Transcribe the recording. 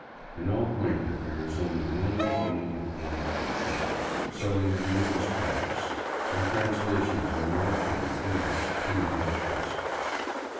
In all Cuenca there is only one mean little bookshop, selling religious tracts and translations of American and English " penny dreadfuls."